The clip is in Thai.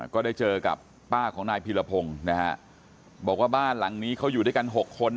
ก็ได้เจอกับป้าของนายพีรพงศ์นะฮะบอกว่าบ้านหลังนี้เขาอยู่ด้วยกัน๖คน